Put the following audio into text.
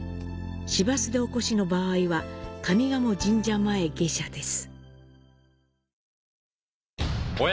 市バスでお越しの場合は上賀茂神社前下車です。